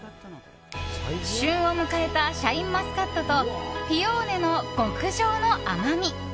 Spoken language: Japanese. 旬を迎えたシャインマスカットとピオーネの極上の甘み。